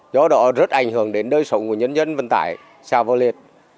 do đó rất ảnh hưởng đến đời sống của nhân dân vận tải xa vô liệt